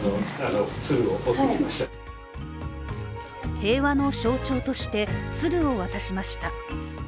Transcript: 平和の象徴として、鶴を渡しました。